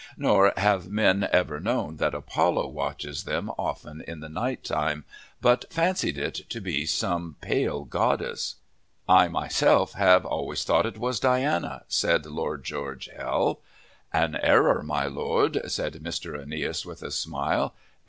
Nor have men ever known that Apollo watches them often in the night time, but fancied it to be some pale goddess." "I myself have always thought it was Diana," said Lord George Hell. "An error, my Lord!" said Mr. Aeneas, with a smile.